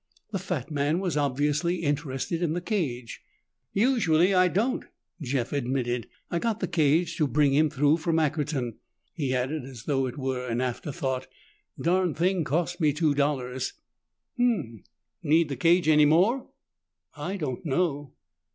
The fat man was obviously interested in the cage. "Usually I don't," Jeff admitted. "I got the cage to bring him through from Ackerton." He added, as though it were an afterthought, "Darn' thing cost me two dollars." "Hmm. Need the cage any more?" "I don't know."